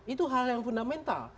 itu hal yang fundamental